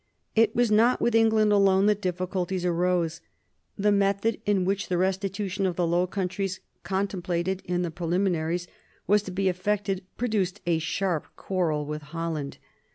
It was not with England alone that difficulties arose. The method in which the restitution of the Low Countries, contemplated in the preliminaries, was to be effected produced a sharp quarrel with Holland.